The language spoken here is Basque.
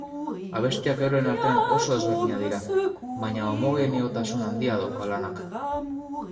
Abestiak euren artean oso desberdinak dira baina homogeneotasun handia dauka lanak.